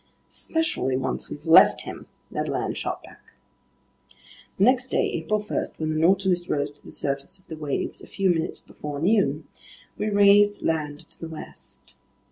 "Especially once we've left him," Ned Land shot back. The next day, April 1, when the Nautilus rose to the surface of the waves a few minutes before noon, we raised land to the west.